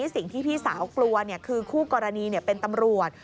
สิ่งที่พี่สาวกลัวคือคู่กรณีเป็นตำรวจ